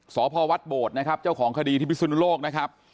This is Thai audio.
สพวัดโบดนะครับเจ้าของคดีที่พิสุนุโลกนะครับ